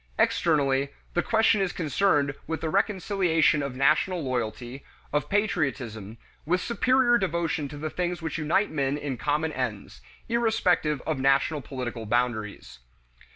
Externally, the question is concerned with the reconciliation of national loyalty, of patriotism, with superior devotion to the things which unite men in common ends, irrespective of national political boundaries.